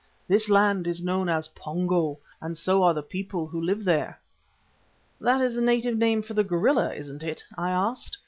This land is known as Pongo, and so are the people who live there." "That is a native name for the gorilla, isn't it?" I asked.